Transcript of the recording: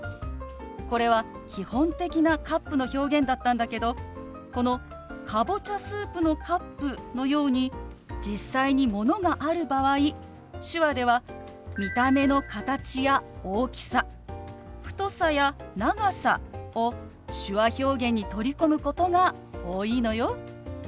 これは基本的な「カップ」の表現だったんだけどこのかぼちゃスープのカップのように実際にものがある場合手話では見た目の形や大きさ太さや長さを手話表現に取り込むことが多いのよ。